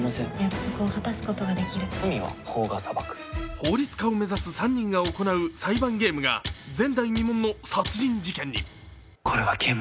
法律家を目指す３人が行う裁判ゲームが前代未聞の殺人事件に。